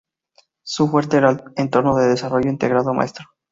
Su fuerte era el entorno de desarrollo integrado Maestro.